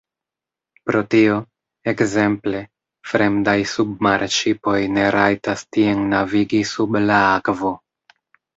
Pro tio, ekzemple, fremdaj submarŝipoj ne rajtas tien navigi sub la akvo.